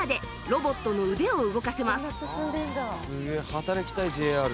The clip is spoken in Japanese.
働きたいＪＲで」